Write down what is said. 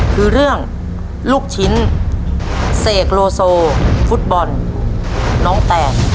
คือเรื่องลูกชิ้นเสกโลโซฟุตบอลน้องแตน